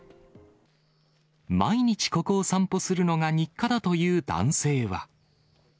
毎日ここを散歩するのが日課だという男性は。